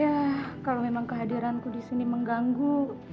ya kalau memang kehadiranku di sini mengganggu